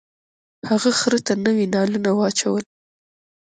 هغه خر ته نوي نالونه واچول.